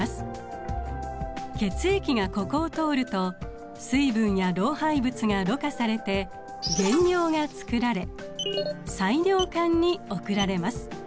血液がここを通ると水分や老廃物がろ過されて原尿が作られ細尿管に送られます。